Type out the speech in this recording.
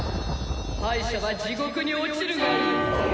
敗者は地獄に落ちるがいい。